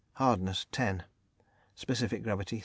Hardness. _Specific Gravity.